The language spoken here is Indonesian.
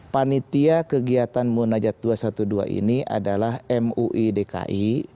panitia kegiatan munajat dua ratus dua belas ini adalah mui dki